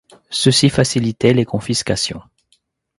Ceci facilitait les confiscations.